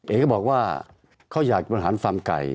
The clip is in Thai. ก็บอกว่าเขาอยากบริหารฟาร์มไก่